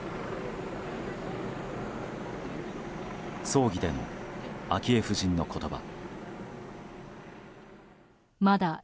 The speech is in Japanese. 葬儀での昭恵夫人の言葉。